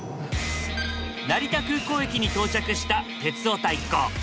成田空港駅に到着した鉄オタ一行。